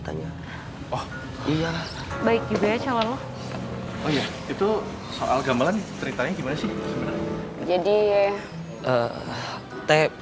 teh bentar teh